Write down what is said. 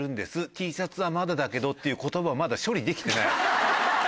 Ｔシャツはまだだけど」っていう言葉をまだ処理できてないの。